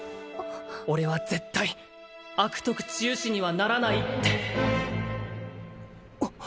俺は絶対悪徳治癒士にはならないって！